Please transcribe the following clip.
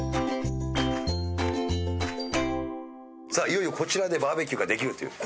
いよいよこちらでバーベキューができるという。